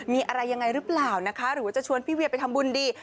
มีอะไรยังไงหรือเปล่านะคะหรือว่าจะชวนพี่เวียไปทำบุญดี